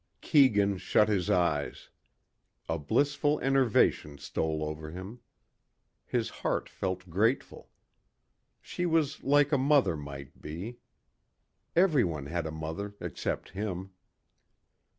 Keegan shut his eyes. A blissful enervation stole over him. His heart felt grateful. She was like a mother might be. Everyone had a mother except him.